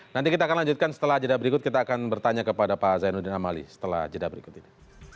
nanti kita akan lanjutkan setelah jeda berikut kita akan bertanya kepada pak zainuddin amali setelah jeda berikut ini